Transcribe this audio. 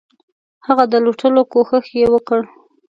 هغه د لوټلو کوښښ یې وکړ.